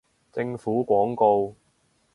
政府廣告